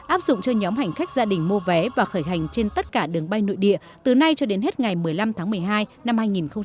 áp dụng cho nhóm hành khách gia đình mua vé và khởi hành trên tất cả đường bay nội địa từ nay cho đến hết ngày một mươi năm tháng một mươi hai năm hai nghìn hai mươi